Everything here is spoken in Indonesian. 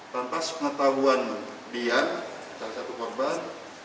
tanpa pengetahuan bg salah satu korban